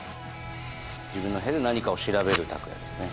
自分の部屋で何かを調べる拓哉ですね。